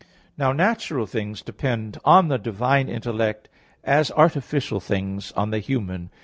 Now natural things depend on the divine intellect, as artificial things on the human.